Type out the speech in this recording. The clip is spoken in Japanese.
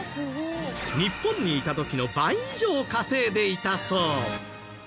日本にいた時の倍以上稼いでいたそう。